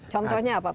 contohnya apa saja